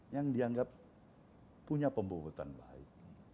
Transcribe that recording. yang dianggap punya pembobotan baik